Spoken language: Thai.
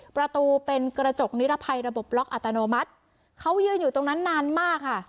ประตูเป็นกระจกนิรภัยระบบล็อกอัตโนมัติเขายืนอยู่ตรงนั้นนานมากค่ะ